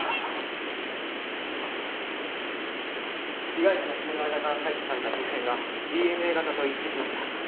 被害者の爪の間から採取された皮膚片がＤＮＡ型と一致しました。